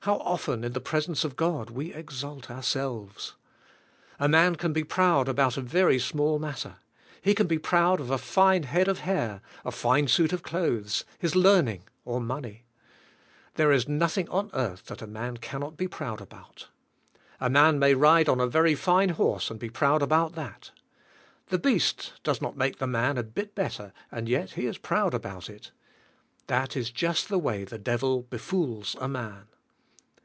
How often in the presence of God we exalt our selves, A man can be proud about a very small matter. He can be proud of a fine head of hair, a fine suit of clothes, his learning or money. There is nothing on earth that a man cannot be proud about. A man may ride on a very fine horse and be proud about that. The beast does not make the man a bit better and yet he is proud about it. That is just the way the Devil befools a man.